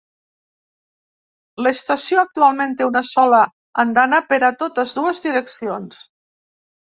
L'estació actualment té una sola andana per a totes dues direccions.